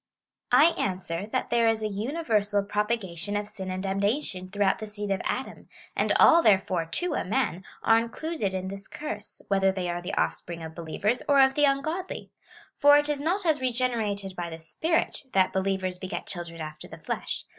I answer, that there is a universal propagation of sin and damnation throughout the seed of Adam, and all, therefore, to a man, are included in this curse, whether they are the oiFspring of believers or of the ungodly ; for it is not as regenerated by the Spirit, that believers beget children after the flesh.